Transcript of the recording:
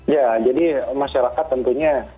ya jadi masyarakat tentunya